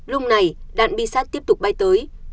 lung này đạn bi sắt tiếp tục bay tới